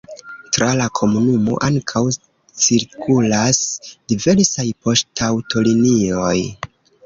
Tra la komunumo ankaŭ cirkulas diversaj poŝtaŭtolinioj.